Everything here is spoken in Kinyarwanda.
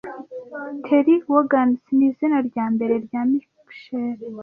Terry Wogans nizina ryambere rya Michael